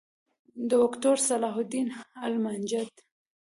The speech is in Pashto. دوکتور صلاح الدین المنجد